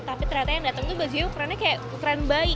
tapi ternyata yang datang tuh bajunya ukurannya kayak ukuran bayi